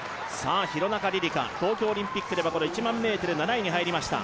廣中璃梨佳、東京オリンピックでは１００００ｍ、７位に入りました。